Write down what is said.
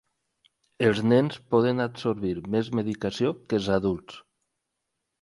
Els nens poden absorbir més medicació que els adults.